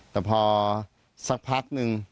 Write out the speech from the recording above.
แต่พอสักพักนึง